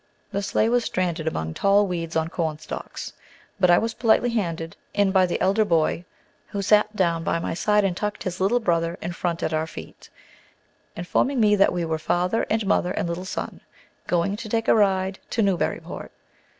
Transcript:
The sleigh was stranded among tall weeds an cornstalks, but I was politely handed in by the elder boy, who sat down by my side and tucked his little brother in front at our feet, informing me that we were father and mother and little son, going to take a ride to Newburyport.